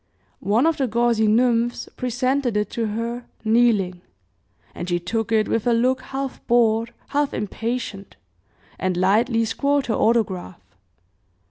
One of the gauzy nymphs presented it to her, kneeling, and she took it with a look half bored, half impatient, and lightly scrawled her autograph.